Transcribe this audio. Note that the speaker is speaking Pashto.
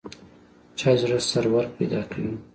چای د زړه سرور پیدا کوي